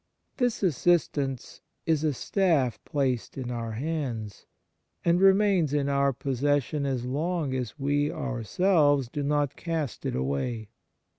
1 This assistance is a staff placed in our hands, and remains in our possession as long as we ourselves do not cast it away.